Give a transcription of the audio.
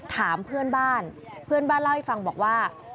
ถามเพื่อนบ้านเพื่อนบ้านเล่าให้ฟังบอกว่า